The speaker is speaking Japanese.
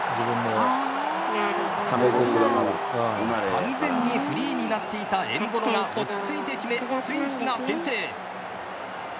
完全にフリーになっていたエンボロが落ち着いて決めスイスが先制。